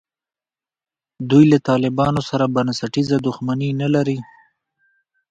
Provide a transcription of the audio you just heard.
دوی له طالبانو سره بنسټیزه دښمني نه لري.